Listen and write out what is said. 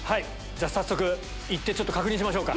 早速行って確認しましょうか。